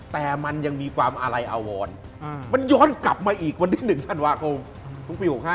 แต่มันยังมีความอะไรอวรมันย้อนกลับมาอีกวันที่๑ธันวาคมทุกปี๖๕